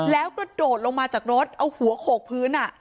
แล้วกระโดดลงมาจากรถเอาหัวโขกพื้น